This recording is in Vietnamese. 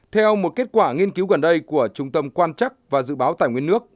theo một kết quả nghiên cứu gần đây của trung tâm quan chắc và dự báo tài nguyên nước